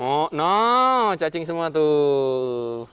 oh now cacing semua tuh